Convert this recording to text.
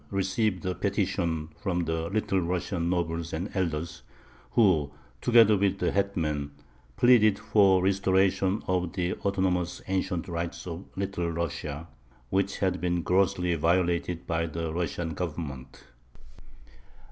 received a petition from the Little Russian nobles and elders, who, together with the hetman, pleaded for the restoration of the autonomous "ancient rights" of Little Russia, which had been grossly violated by the Russian Government.